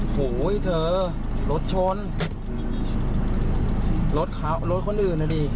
โหยเธอรถชนรถเขารถคนอื่นน่ะดิ